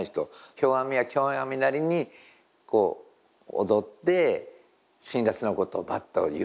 狂阿弥は狂阿弥なりにこう踊って辛辣なことをバッと言うんだよ。